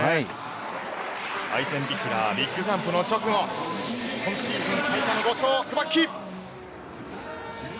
アイゼンビヒラーのビッグジャンプの直後、今シーズン最多の５勝、クバッキ！